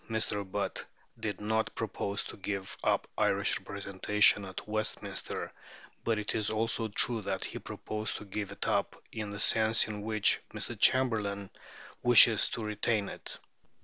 It is true that Mr. Butt did not propose to give up Irish representation at Westminster; but it is also true that he proposed to give it up in the sense in which Mr. Chamberlain wishes to retain it.